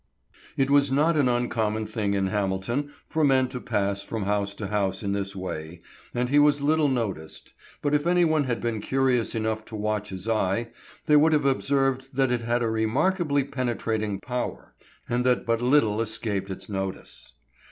It was not an uncommon thing in Hamilton for men to pass from house to house in this way, and he was little noted, but if anyone had been curious enough to watch his eye they would have observed that it had a remarkably penetrating power, and that but little escaped its notice.